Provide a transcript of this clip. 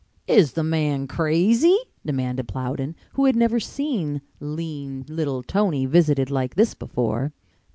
"Is the man crazy?" demanded Plowden, who had never seen lean little Tony visited like this before.